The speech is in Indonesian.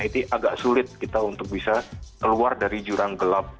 itu agak sulit kita untuk bisa keluar dari jurang gelap